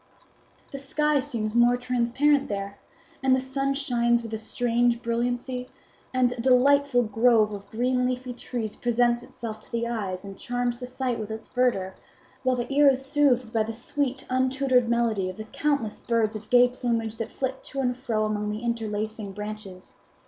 "The sky seems more transparent there, and the sun shines with a strange brilliancy, and a delightful grove of green leafy trees presents itself to the eyes and charms the sight with its verdure, while the ear is soothed by the sweet untutored melody of the countless birds of gay plumage that flit to and fro among the interlacing branches.